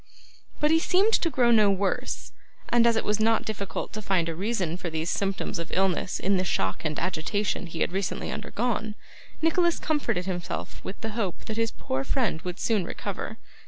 But he seemed to grow no worse, and, as it was not difficult to find a reason for these symptoms of illness in the shock and agitation he had recently undergone, Nicholas comforted himself with the hope that his poor friend would soon recover.